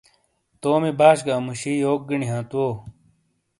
تومی باش گہ امُوشی یوک گِینی ہانت وو؟